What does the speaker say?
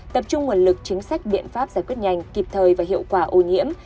tập trung nguồn lực chính sách biện pháp giải quyết nhanh kịp thời và hiệu quả ô nhiễm